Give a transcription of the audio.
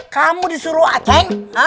kamu disuruh acaing